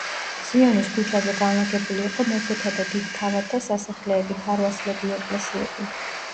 სიონის ქუჩაზე განლაგებული იყო მეფეთა და დიდ თავადთა სასახლეები, ქარვასლები, ეკლესიები.